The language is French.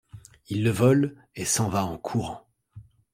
Il le vole et s'en va en courant.